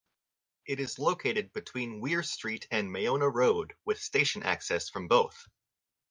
It is located between Were Street and Mayona Road, with station access from both.